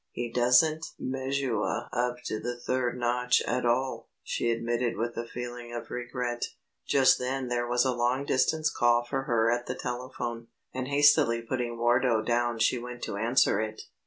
"He doesn't measuah up to the third notch at all," she admitted with a feeling of regret. Just then there was a long distance call for her at the telephone, and hastily putting Wardo down she went to answer it.